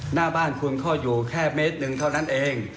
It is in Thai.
หน้าบ้านคุณก็อยู่แค่เมตรหนึ่งเท่านั้นเอง